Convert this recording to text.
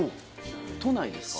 都内ですか？